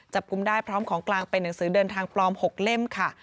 กุมได้พร้อมของกลางเป็นหนังสือเดินทางปลอม๖เล่มค่ะ